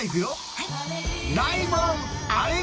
はい。